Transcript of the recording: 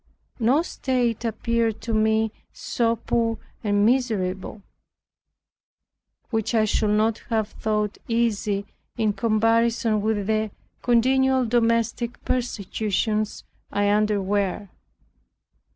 No state appeared to me so poor and miserable, which I should not have thought easy, in comparison with the continual domestic persecutions I underwent.